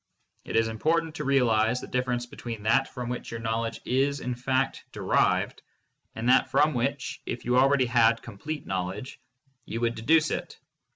It is important to realize the difference between that from which your knowledge is, in fact, derived, and that from which, if you already had complete knowledge, you would deduce it.